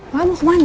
pak mau ke mana